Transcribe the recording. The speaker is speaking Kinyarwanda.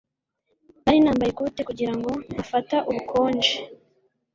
Nari nambaye ikote kugirango ntafata ubukonje.